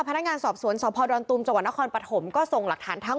พนักงานสอบสวนสพดอนตุมจังหวัดนครปฐมก็ส่งหลักฐานทั้ง